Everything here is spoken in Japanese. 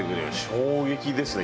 衝撃ですね